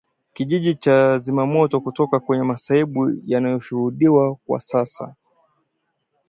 kijiji cha Zimamoto kutoka kwenye masaibu yanayoshuhudiwa kwa sasa